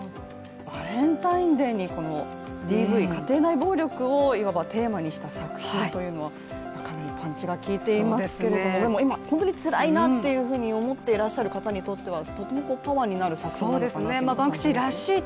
バレンタインデーにこのＤＶ＝家庭内暴力をいわばテーマにした作品というのはかなりパンチがきいていますけれども今、本当につらいなと思っていらっしゃる方にとってはとてもパワーになる作品なのかなと。